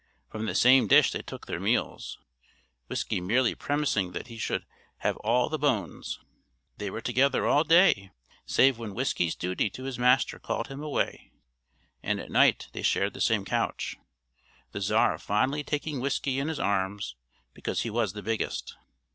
From the same dish they took their meals, Whiskey merely premising that he should have all the bones. They were together all day, save when Whiskey's duty to his master called him away, and at night they shared the same couch, the Czar fondly taking Whiskey in his arms because he was the biggest.